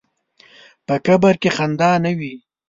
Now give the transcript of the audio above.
په قبر کې خندا نه وي.